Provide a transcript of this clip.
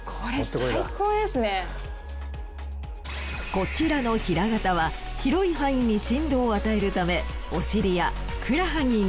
こちらの平型は広い範囲に振動を与えるためお尻やふくらはぎに。